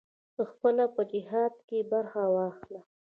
پخپله په جهاد کې برخه واخله.